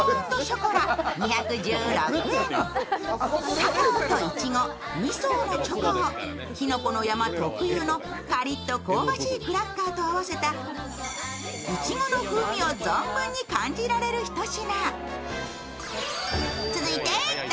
カカオといちご、２層のチョコをきのこの山特有のカリッと香ばしいクラッカーと合わせたいちごの風味を存分に感じられる一品。